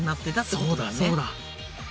そうだそうだ。